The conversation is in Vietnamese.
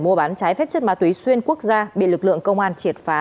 mua bán trái phép chất ma túy xuyên quốc gia bị lực lượng công an triệt phá